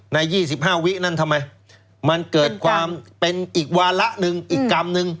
ใน๒๕วินั้นทำไมมันเกิดความเป็นอีกวาระหนึ่งอีกกรรมหนึ่ง